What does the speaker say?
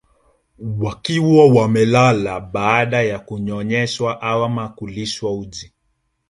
Wakiwa wamelala baada ya kunyonyeshwa ama kulishwa uji